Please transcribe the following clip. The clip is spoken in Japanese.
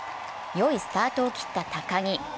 よいスタートを切った高木。